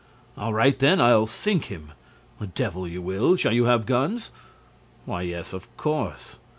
"All right, then I'll sink him." "The devil you will! Shall you have guns?" "Why, of course!